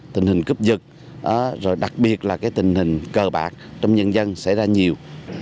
tình hình cướp dựt đặc biệt là tình hình cờ bạc trong nhân dân xảy ra nhiều